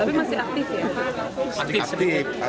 tapi masih aktif ya